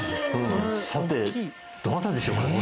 さてどなたでしょうか？